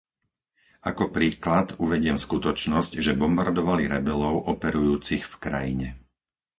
Ako príklad uvediem skutočnosť, že bombardovali rebelov operujúcich v krajine.